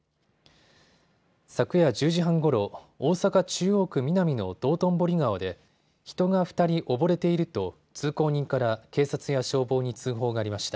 昨夜１０時半ごろ、大阪中央区ミナミの道頓堀川で人が２人溺れていると通行人から警察や消防に通報がありました。